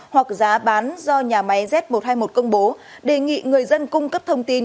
hoặc giá bán do nhà máy z một trăm hai mươi một công bố đề nghị người dân cung cấp thông tin